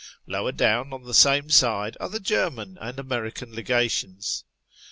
Lower down on the same side are the German and American Legations.